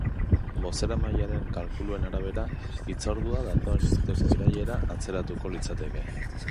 Bozeramailearen kalkuluen arabera, hitzordua datorren urteko irailera atzeratuko litzateke.